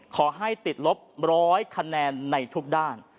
ขอให้ติดลบ๑๐๐คะแนนในทุกด้าน